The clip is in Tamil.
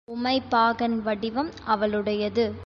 உமைபாகன் வடிவம் அவளுடையது.